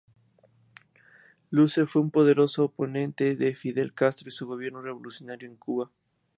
Luce fue un poderoso oponente de Fidel Castro y su gobierno revolucionario en Cuba.